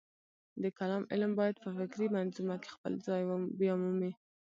د کلام علم باید په فکري منظومه کې خپل ځای بیامومي.